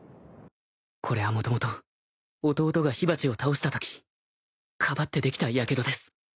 これはもともと弟が火鉢を倒したときかばってできたやけどです